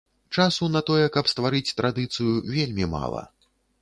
Часу на тое, каб стварыць традыцыю, вельмі мала.